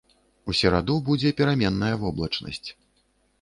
У сераду будзе пераменная воблачнасць.